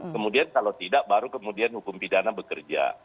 kemudian kalau tidak baru kemudian hukum pidana bekerja